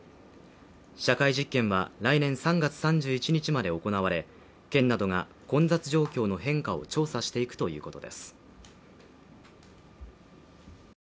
社会実験は来年３月３１日まで行われ、県などが混雑状況の変化を調査していくということです。